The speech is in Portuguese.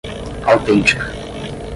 autêntica